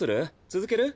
続ける？